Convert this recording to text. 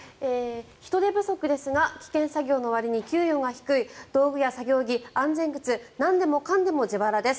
人手不足ですが危険作業のわりに給与が低い道具や作業着、安全靴なんでもかんでも自腹です。